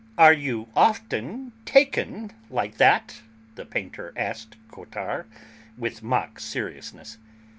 "Are you often taken like that?" the painter asked Cottard, with mock seriousness.